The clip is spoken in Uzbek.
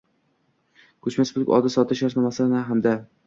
ko‘chmas mulk oldi-sotdi shartnomasini hamda